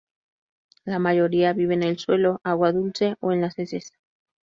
La mayoría vive en el suelo, agua dulce o en las heces.